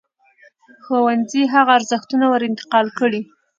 ښوونځی هغه ارزښتونه ور انتقال کړي.